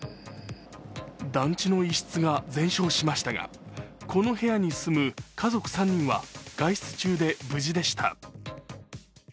団地の一室が全焼しましたがこの部屋に住む家族３人は外出中で、無事でした。